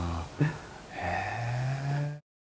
へえ。